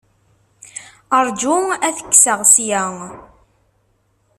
Ṛju ad t-kkseɣ ssya.